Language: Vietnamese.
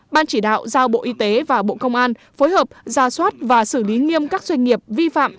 ban chỉ đạo giao bộ y tế và bộ công an phối hợp ra soát và xử lý nghiêm các doanh nghiệp vi phạm